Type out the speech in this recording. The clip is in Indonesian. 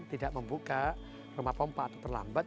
tidak membuka rumah pompa atau terlambat